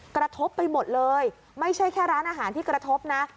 กระทบไปหมดเลยไม่ใช่แค่ร้านอาหารที่กระทบนะ